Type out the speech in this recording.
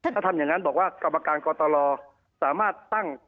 ถ้าทำอย่างนั้นบอกว่ากรรมการกตลสามารถตั้ง